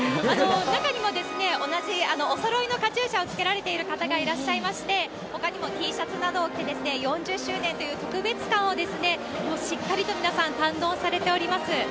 中にも同じおそろいのカチューシャをつけられている方がいらっしゃいまして、ほかにもＴシャツなどを着て、４０周年という特別感をしっかりと皆さん、堪能されております。